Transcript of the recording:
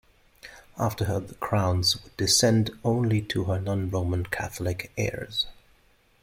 After her the crowns would descend only to her non-Roman Catholic heirs.